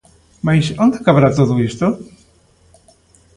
Mais onde acabará todo isto?